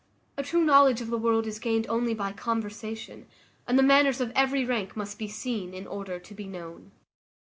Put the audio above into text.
A true knowledge of the world is gained only by conversation, and the manners of every rank must be seen in order to be known.